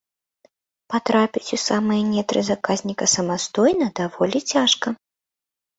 Патрапіць у самыя нетры заказніка самастойна даволі цяжка.